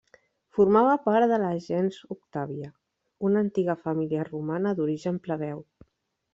Formava part de la gens Octàvia, una antiga família romana d'origen plebeu.